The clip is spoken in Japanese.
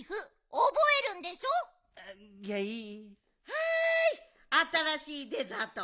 はいあたらしいデザート。